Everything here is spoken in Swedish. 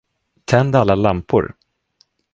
Tänd alla lampor.